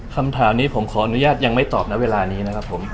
คำถามนี้ผมขออนุญาตยังไม่ตอบนะเวลานี้นะครับผม